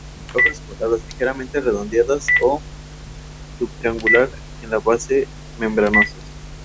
Hojas ovadas, ligeramente redondeadas o subtriangular en la base, membranosas.